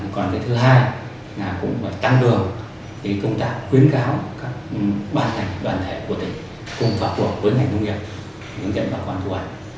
còn thứ hai là cũng tăng cường công tác khuyến cáo các bàn thành đoàn thể của tỉnh cùng vào cuộc với ngành nông nghiệp những tiệm bà con thu hoạch